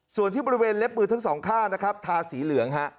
ส่วนที่บริเวณเล็บมือทั้งสองข้างนะครับทาสีเหลืองฮะ